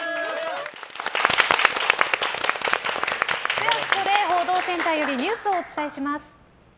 ではここで報道センターよりニュースをお伝えします。